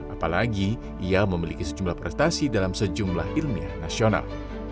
apalagi ia memiliki sejumlah prestasi dalam sejumlah ilmiah nasional